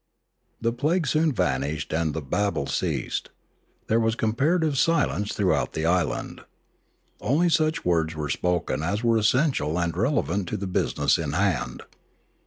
The plague soon vanished and the babel ceased. There was comparative silence throughout the island. Only such words were spoken as were essential and relevant to the business in hand.